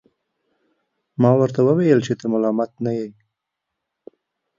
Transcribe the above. ما ورته وویل چي ته ملامت نه یې.